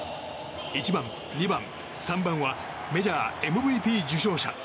１番、２番、３番はメジャーＭＶＰ受賞者。